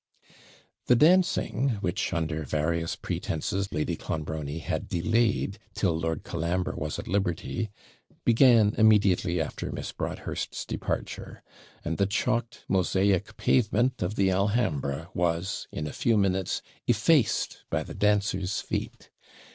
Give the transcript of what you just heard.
The dancing, which, under various pretences, Lady Clonbrony had delayed till Lord Colambre was at liberty, began immediately after Miss Broadhurst's departure; and the chalked mosaic pavement of the Alhambra was, in a few minutes, effaced by the dancers' feet.